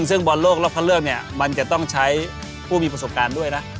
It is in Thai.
ซึ่งบอลโลกรอบคันเลือกเนี่ยมันจะต้องใช้ผู้มีประสบการณ์ด้วยนะ